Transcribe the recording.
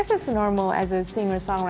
saya rasa itu normal sebagai penyanyi penyanyi